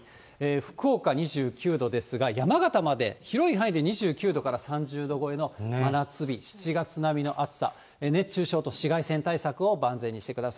福岡２９度ですが、山形まで広い範囲で２９度から３０度超えの真夏日、７月並みの暑さ、熱中症と紫外線対策を万全にしてください。